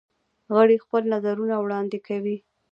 غړي خپل نظرونه وړاندې کوي.